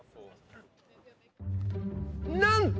なんと！